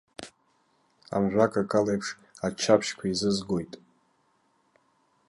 Амжәакакалеиԥш аччаԥшьқәа еизызгоит.